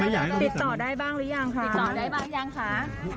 ปี๖๕วันเกิดปี๖๔ไปร่วมงานเช่นเดียวกัน